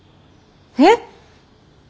えっ！